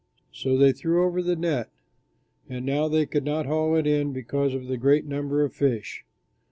So they threw over the net, and now they could not haul it in because of the great number of fish.